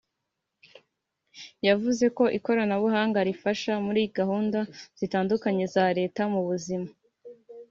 yavuze ko ikoranabuhanga rifasha muri gahunda zitandukanye za Leta n’ubuzima